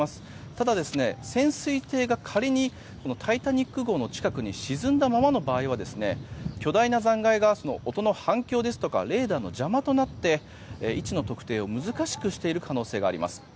ただ、潜水艇が仮に「タイタニック号」の近くに沈んだままの場合は巨大な残骸が音の反響やレーダーの邪魔となって位置の特定を難しくしている可能性があります。